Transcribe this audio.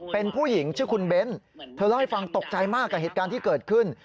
เป็นผู้หญิงชื่อคุณเบ้นเธอเล่าให้ฟังตกใจมากกับเหตุการณ์ที่เกิดขึ้น